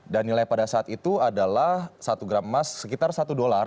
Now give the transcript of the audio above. dan nilai pada saat itu adalah satu gram emas sekitar satu dolar